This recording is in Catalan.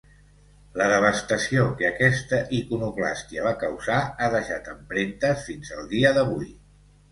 La devastació que aquesta iconoclàstia va causar ha deixat empremtes fins al dia d'avui.